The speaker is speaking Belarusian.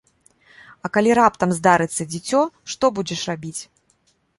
А калі раптам здарыцца дзіцё, што будзеш рабіць?